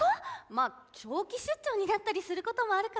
まあ長期出張になったりすることもあるから。